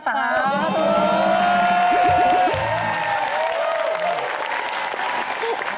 สาธุ